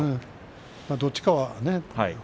どっちかはね。